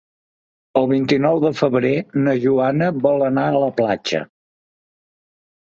El vint-i-nou de febrer na Joana vol anar a la platja.